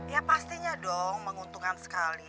ya pastinya dong menguntungkan sekali